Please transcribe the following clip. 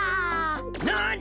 なに！？